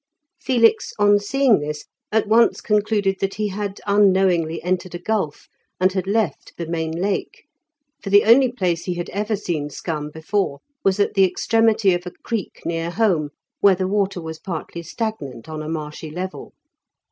Felix, on seeing this, at once concluded that he had unknowingly entered a gulf, and had left the main Lake, for the only place he had ever seen scum before was at the extremity of a creek near home, where the water was partly stagnant on a marshy level.